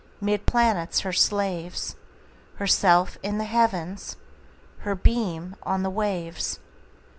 'Mid planets her slaves, Herself in the Heavens, Her beam on the waves.